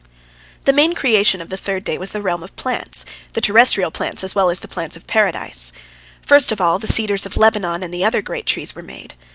The main creation of the third day was the realm of plants, the terrestrial plants as well as the plants of Paradise. First of all the cedars of Lebanon and the other great trees were made.